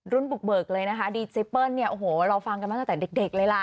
บุกเบิกเลยนะคะดีเจเปิ้ลเนี่ยโอ้โหเราฟังกันมาตั้งแต่เด็กเลยล่ะ